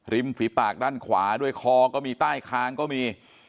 ฝีปากด้านขวาด้วยคอก็มีใต้คางก็มี